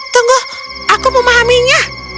tunggu aku mau memahaminya